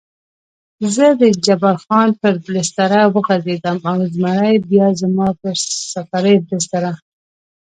زه د جبار خان پر بستره وغځېدم او زمری بیا زما پر سفرۍ بستره.